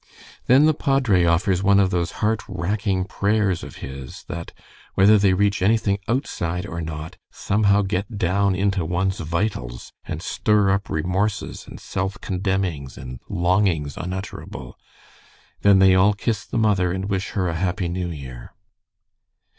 "Then the padre offers one of those heart racking prayers of his that, whether they reach anything outside or not, somehow get down into one's vitals, and stir up remorses, and self condemnings, and longings unutterable. Then they all kiss the mother and wish her a Happy New Year.